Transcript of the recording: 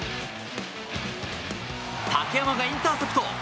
竹山がインターセプト！